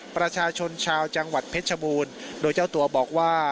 ประชาชนชาวจังหวัดเพชรชบูรณ์โดยเจ้าตัวบอกว่า